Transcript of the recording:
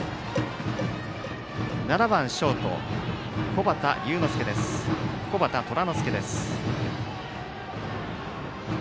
打席は７番ショート小畑虎之介です。